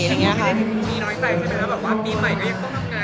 พี่มีน้อยใจใช่ไหมว่าปีใหม่ก็ยังต้องทำงานอีก